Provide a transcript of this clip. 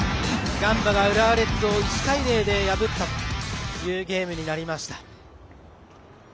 ガンバが浦和レッズを１対０で破ったというゲームになりました。